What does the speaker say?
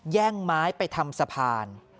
แย่งไม้ไปทำสะพาน